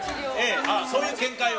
そういう見解を？